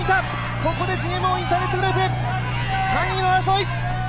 ここでＧＭＯインターネットグループ３位の争い！